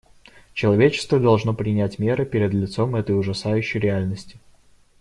Человечество должно принять меры перед лицом этой ужасающей реальности.